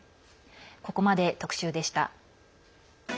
ここまで特集でした。